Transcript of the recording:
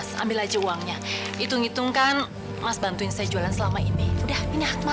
sampai jumpa di video selanjutnya